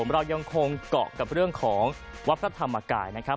เรายังคงเกาะกับเรื่องของวัดพระธรรมกายนะครับ